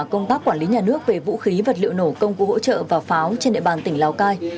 công tác quản lý nhà nước về vũ khí vật liệu nổ công cụ hỗ trợ và pháo trên địa bàn tỉnh lào cai